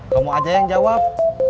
kamu aja yang jawab